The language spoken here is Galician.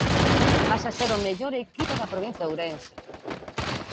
Pasa a ser o mellor equipo da provincia de Ourense.